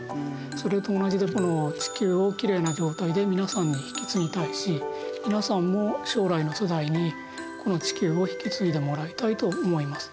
それと同じでこの地球をきれいな状態で皆さんに引き継ぎたいし皆さんも将来の世代にこの地球を引き継いでもらいたいと思います。